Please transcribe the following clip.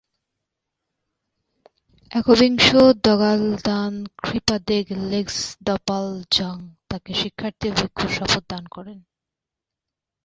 একবিংশ দ্গা'-ল্দান-খ্রি-পা দ্গে-লেগ্স-দ্পাল-ব্জাং তাকে শিক্ষার্থী ও ভিক্ষুর শপথ দান করেন।